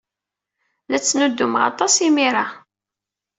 La ttnuddumeɣ aṭas imir-a.